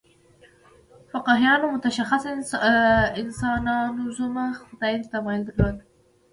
فقیهانو متشخص انسانوزمه خدای ته تمایل درلود.